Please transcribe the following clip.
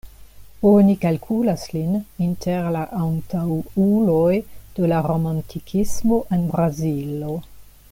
Oni kalkulas lin inter la antaŭuloj de la Romantikismo en Brazilo.